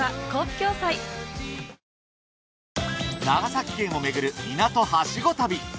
長崎県を巡る「港はしご旅」。